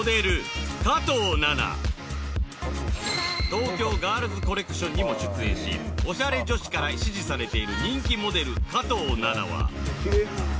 東京ガールズコレクションにも出演しオシャレ女子から支持されている人気モデル加藤ナナは